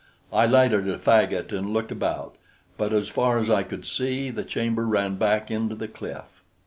I lighted a faggot and looked about; but as far as I could see, the chamber ran back into the cliff.